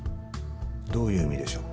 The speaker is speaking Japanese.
どういう意味でしょう？